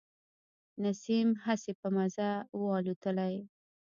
نسیم هسي په مزه و الوتلی.